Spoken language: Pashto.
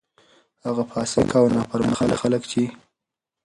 هغه فاسق او نا فرمانه خلک چې: